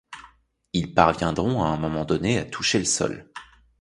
Ils parviendront à un moment donné à toucher le sol.